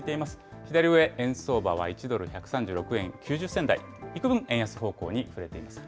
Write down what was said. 左上、円相場は１ドル１３６円９０銭台、いくぶん円安方向に振れ